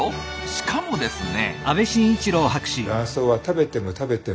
しかもですね。